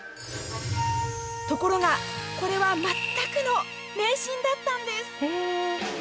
ところが、これは全くの迷信だったんです。